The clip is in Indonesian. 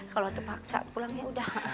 kalau itu paksa pulang ya udah